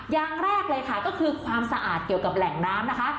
อย่างแรกเลยค่ะก็คือความสะอาดเกี่ยวกับแหล่งน้ำนะคะ